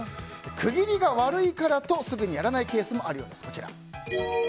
区切りが悪いからとすぐにやらないケースもあるようです。